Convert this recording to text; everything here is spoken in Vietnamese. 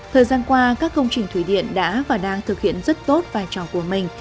thời gian qua các công trình thủy điện đã và đang thực hiện rất tốt vai trò của mình